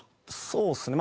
そうですね。